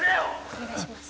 お願いします。